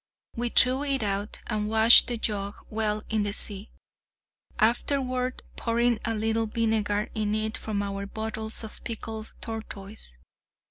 We threw it out, and washed the jug well in the sea, afterward pouring a little vinegar in it from our bottles of pickled tortoise.